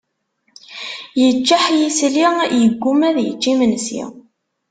Yeččeḥ yisli, yegguma ad yečč imensi.